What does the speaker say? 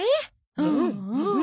うんうん。